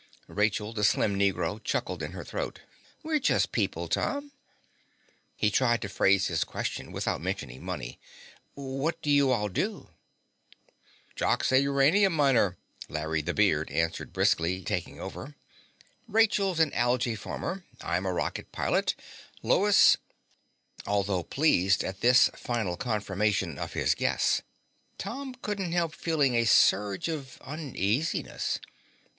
Rachel, the slim Negro, chuckled in her throat. "We're just people, Tom." He tried to phrase his question without mentioning money. "What do you all do?" "Jock's a uranium miner," Larry (the beard) answered, briskly taking over. "Rachel's an algae farmer. I'm a rocket pilot. Lois "Although pleased at this final confirmation of his guess, Tom couldn't help feeling a surge of uneasiness.